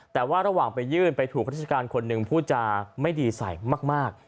แต่ว่าระหว่างไปยื่นไปถูกราชการคนหนึ่งพูดจาไม่ดีใส่มาก